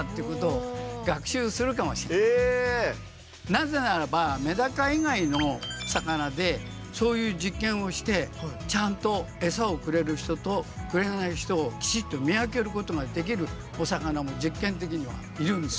なぜならばメダカ以外の魚でそういう実験をしてちゃんとエサをくれる人とくれない人をきちっと見分けることができるお魚も実験的にはいるんです。